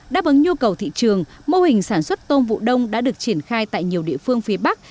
đáp ứng nhu cầu thị trường mô hình sản xuất tôm vụ đông đã được triển khai tại nhiều địa phương phía bắc